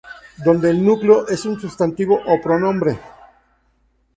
Donde el núcleo es un sustantivo o pronombre.